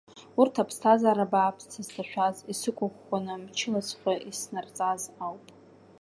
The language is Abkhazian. Урҭ аԥсҭазаара бааԥс сызҭашәаз исықәыӷәӷәаны мчылаҵәҟьа иснарҵаз ауп.